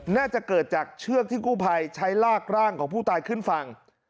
น่าจะเกิดจากเชือกที่กู้ภัยใช้ลากร่างของผู้ตายขึ้นฝั่ง